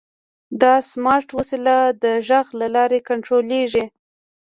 دا سمارټ وسیله د غږ له لارې کنټرولېږي.